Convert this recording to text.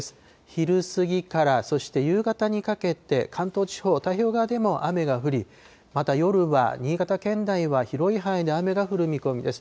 昼過ぎから、そして夕方にかけて、関東地方、太平洋側でも雨が降り、また夜は、新潟県内は広い範囲で雨が降る見込みです。